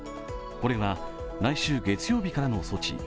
これが来週月曜日からの措置。